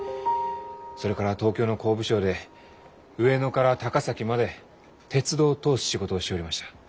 それから東京の工部省で上野から高崎まで鉄道を通す仕事をしよりました。